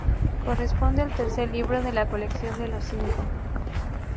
Corresponde al tercer libro de la colección de Los Cinco.